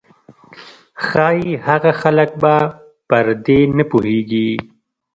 ښايي هغه خلک به پر دې نه پوهېږي.